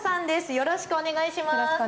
よろしくお願いします。